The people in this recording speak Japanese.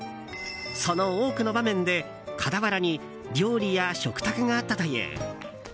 その多くの場面で、傍らに料理や食卓があったという。